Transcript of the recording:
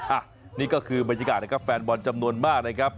อ่ะนี่ก็คือบรรยากาศนะครับแฟนบอลจำนวนมากนะครับ